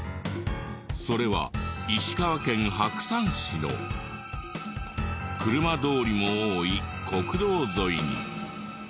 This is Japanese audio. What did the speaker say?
それは石川県白山市の車通りも多い国道沿いに。